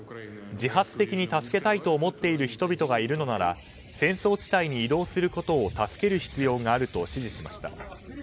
自発的に助けたいと思っている人々がいるのなら戦争地帯に移動することを助ける必要があると指示しました。